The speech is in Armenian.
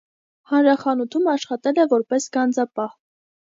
Հանրախանութում աշխատել է որպես գանձապահ։